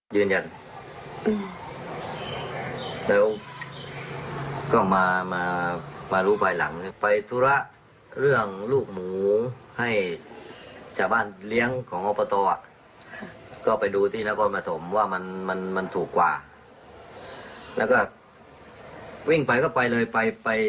แล้วก็มันมีหมูจริงแต่เอาข้ามจังหวัดมาไม่ได้